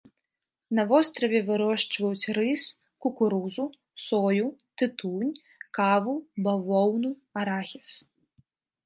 На востраве вырошчваюць рыс, кукурузу, сою, тытунь, каву, бавоўну, арахіс.